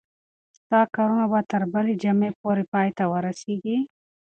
ستا کارونه به تر بلې جمعې پورې پای ته ورسیږي.